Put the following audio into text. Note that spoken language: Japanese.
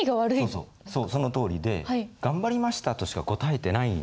そうそうそうそのとおりで「がんばりました。」としか答えてないんですよね。